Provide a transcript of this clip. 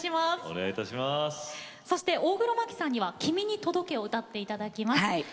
そして大黒摩季さんには「君に届け」を歌っていただきます。